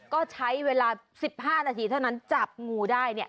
ก็ใช้เวลา๑๕นาทีเท่านั้นจับงูได้เนี่ย